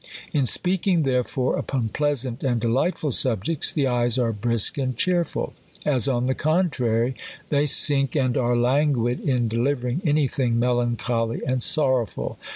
In speaking, therefore, upon pleasant and delightful subjects, the eyes are brisk and cheerful; as, on the contrary, they sink and are languid in delivering any thing melancholy and sorrowful.